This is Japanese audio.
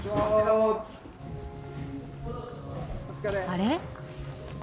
あれ？